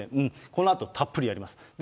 このあと、たっぷりやります。